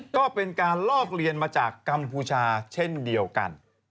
ก็เป็นการลอกเรียนมาจากกัมพูชาเช่นเดียวกัน